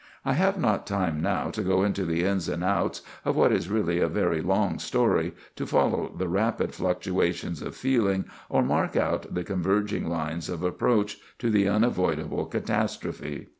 I have not time now to go into the ins and outs of what is really a very long story, to follow the rapid fluctuations of feeling, or mark out the converging lines of approach to the unavoidable catastrophe.